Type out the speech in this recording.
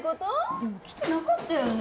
でも来てなかったよね